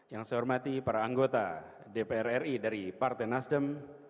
yang saya hormati para anggota dpr ri dari partai nasdem